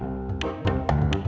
terima kasih banyak